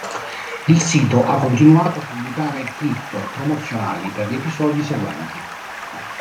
Il sito ha continuato a pubblicare clip promozionali per gli episodi seguenti.